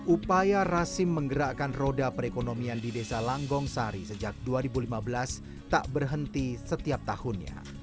upaya rasim menggerakkan roda perekonomian di desa langgong sari sejak dua ribu lima belas tak berhenti setiap tahunnya